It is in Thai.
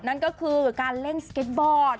นั่นก็คือการเล่นสเก็ตบอร์ด